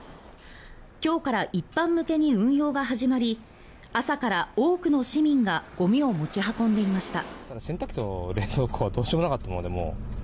今日から一般向けに運用が始まり朝から多くの市民がゴミを持ち運んでいました。